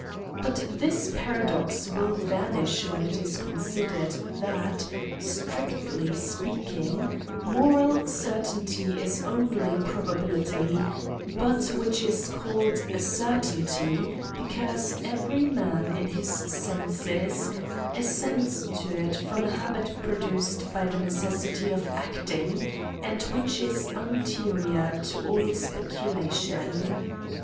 But this paradox will vanish when it is considered, that, strictly speaking, moral certainty is only probability, but which is called a certainty, because every man in his senses assents to it from an habit produced by the necessity of acting, and which is anterior to all CRIMES AND PUNISHMENTS. 53 ^speculation.